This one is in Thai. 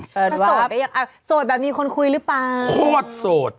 ถ้าโสดแบบมีคนคุยหรือเปล่าโคตรโสด